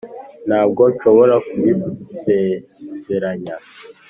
ntabwo nshobora kubisezeranya